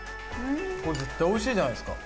これ絶対美味しいじゃないですか。